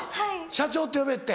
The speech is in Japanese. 社長って呼べって。